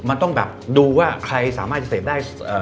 มันต้องดูว่าใครสามารถจะเศรษฐ์ได้